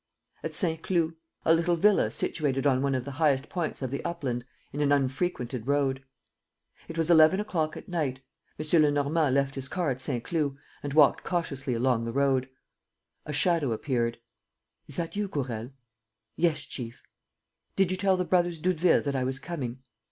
At Saint Cloud. A little villa situated on one of the highest points of the upland, in an unfrequented road. It was eleven o'clock at night. M. Lenormand left his car at Saint Cloud and walked cautiously along the road. A shadow appeared. "Is that you, Gourel?" "Yes, chief." "Did you tell the brothers Doudeville that I was coming?"